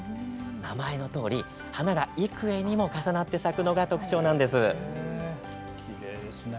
名前のとおり花が幾重にも重なって咲くのが特徴です。